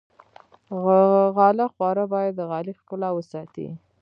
غاله خواره باید د غالۍ ښکلا وساتي.